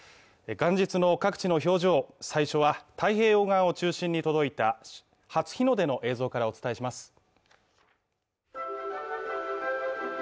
元日の各地の表情、最初は太平洋側を中心に届いた初日の出の映像からお伝えします。